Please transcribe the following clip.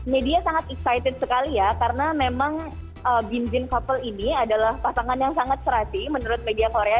media sangat excited sekali ya karena memang bin zin couple ini adalah pasangan yang sangat serasi menurut media korea